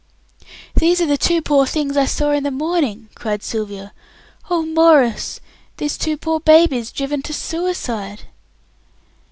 "These are the two poor things I saw in the morning," cried Sylvia. "Oh, Maurice, these two poor babies driven to suicide!"